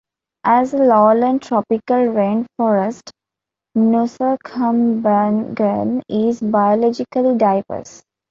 As a lowland tropical rain forest, Nusakambangan is biologically diverse.